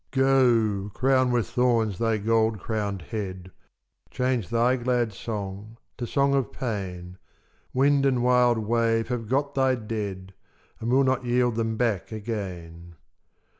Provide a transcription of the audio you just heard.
Go! crown with thorns thy gold crowned head, Change thy glad song to song of pain; Wind and wild wave have got thy dead, And will not yield them back again.